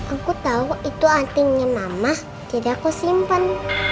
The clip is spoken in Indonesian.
aku tau itu antingnya mama jadi aku simpen